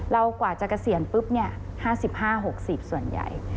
กว่าจะเกษียณปุ๊บ๕๕๖๐ส่วนใหญ่